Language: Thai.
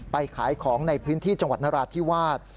ขายของในพื้นที่จังหวัดนราธิวาส